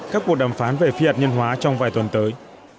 các cuộc đàm phán về phi hạt nhân hóa trong vài tuần tới